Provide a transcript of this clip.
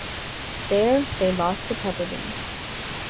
There they lost to Pepperdine.